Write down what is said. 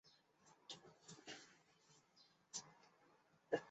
经济以渔业为主。